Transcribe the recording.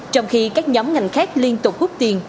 trong khi các nhóm ngành khác liên tục hút tiền